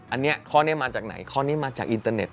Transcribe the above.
อันนี้ข้อนี้มาจากไหนข้อนี้มาจากอินเตอร์เน็ต